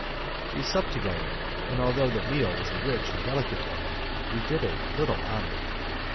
We supped together, and although the meal was a rich and delicate one we did it little honour.